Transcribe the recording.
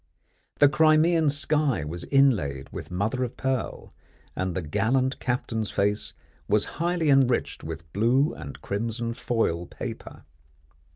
The Crimean sky was inlaid with mother of pearl, and the gallant captain's face was highly enriched with blue and crimson foil paper.